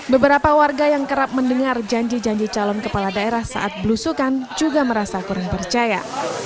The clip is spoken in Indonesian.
beberapa warga yang kerap mendengar janji janji calon kepala daerah saat belusukan juga merasa kurang percaya